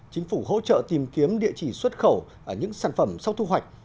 chính phủ hỗ trợ tìm kiếm địa chỉ xuất khẩu những sản phẩm sau thu hoạch